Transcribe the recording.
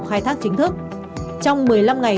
khai thác chính thức trong một mươi năm ngày